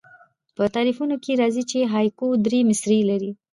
په تعریفونو کښي راځي، چي هایکو درې مصرۍ لري.